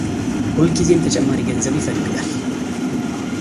ሁልጊዜም ተጨማሪ ገንዘብ ይፈልጋል፡፡